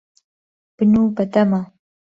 بنوو بە دەما.